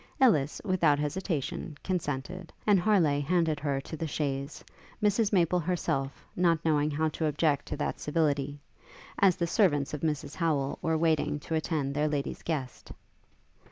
Ellis, without hesitation, consented; and Harleigh handed her to the chaise, Mrs Maple herself not knowing how to object to that civility, as the servants of Mrs Howel were waiting to attend their lady's guest.